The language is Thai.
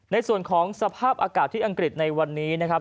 ในส่วนของสภาพอากาศที่อังกฤษในวันนี้นะครับ